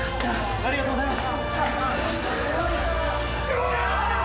ありがとうございます。